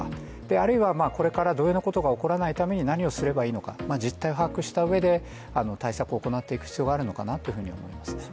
あるいは、これから同様のことが起こらないために何をすればいいのか、実態を把握したうえで対策を行っていく必要があるのかなと思います。